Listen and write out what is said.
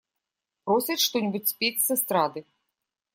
Просят что-нибудь спеть с эстрады.